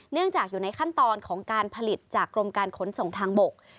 จากอยู่ในขั้นตอนของการผลิตจากกรมการขนส่งทางบก